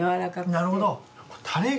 なるほど。